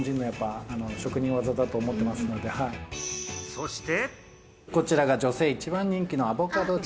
そして。